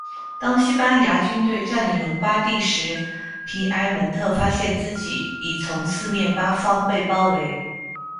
当西班牙军队占领伦巴第时，皮埃蒙特发现自己已从四面八方被包围。